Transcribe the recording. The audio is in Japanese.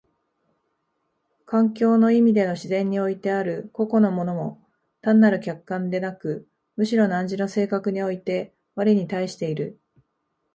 環境の意味での自然においてある個々の物も単なる客観でなく、むしろ汝の性格において我に対している。